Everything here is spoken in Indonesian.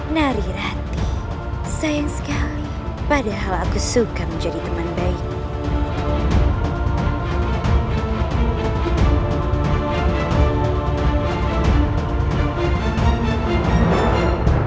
narirati sayang sekali padahal aku suka menjadi teman baikmu